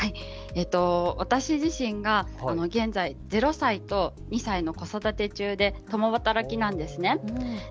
私自身が現在、０歳と２歳の子育て中で共働きなんです。